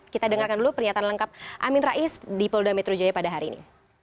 kita dengarkan dulu pernyataan lengkap amin rais di polda metro jaya pada hari ini